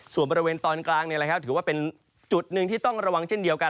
ส่วนบริเวณตอนกลางถือว่าเป็นจุดหนึ่งที่ต้องระวังเช่นเดียวกัน